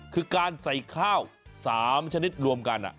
คือการใส่ข้าว๓ชนิดรวมกัน